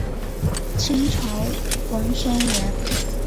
清朝文生员。